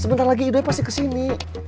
sebentar lagi idoy pasti kesini